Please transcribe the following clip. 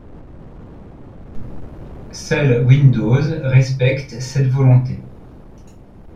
Seul Windows respecte cette volonté.